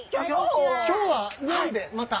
今日は何でまた？